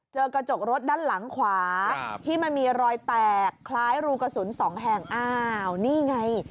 กระจกรถด้านหลังขวาที่มันมีรอยแตกคล้ายรูกระสุนสองแห่งอ้าวนี่ไง